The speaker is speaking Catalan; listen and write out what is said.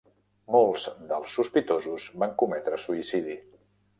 Molts dels sospitosos van cometre suïcidi.